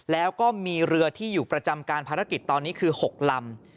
แล้วก็มีเรือที่อยู่ประจำการภารกิจตอนนี้คือ๖ลำ